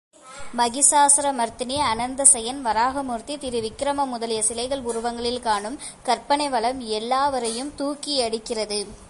மகிஷாசுரமர்த்தினி, அனந்தசயனன், வராகமூர்த்தி, திருவிக்கிரமன் முதலிய சிலை உருவங்களில் காணும் கற்பனை வளம் எல்லோராவைத் தூக்கியடிக்கிறது.